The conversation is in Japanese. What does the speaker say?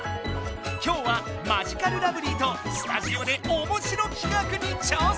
今日はマヂカルラブリーとスタジオでおもしろ企画に挑戦！